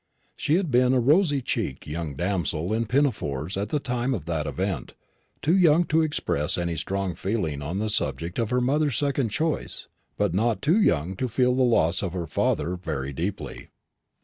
She had been a rosy cheeked young damsel in pinafores at the time of that event, too young to express any strong feeling upon the subject of her mother's second choice; but not too young to feel the loss of her father very deeply.